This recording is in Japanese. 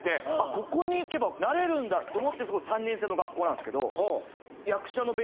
ここに行けばなれるんだと思ってそこ３年制の学校なんですけど。